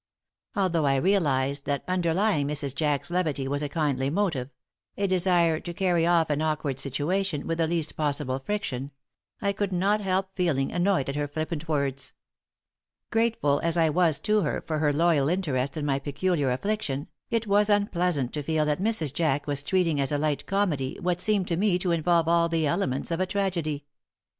Although I realized that underlying Mrs. Jack's levity was a kindly motive a desire to carry off an awkward situation with the least possible friction I could not help feeling annoyed at her flippant words. Grateful as I was to her for her loyal interest in my peculiar affliction, it was unpleasant to feel that Mrs. Jack was treating as a light comedy what seemed to me to involve all the elements of a tragedy.